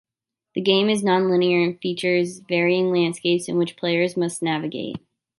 The game is nonlinear and features varying landscapes in which players must navigate.